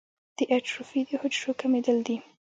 د اټروفي د حجرو کمېدل دي.